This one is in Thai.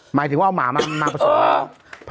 หมายถึงว่าเอาหมามาผสมแล้ว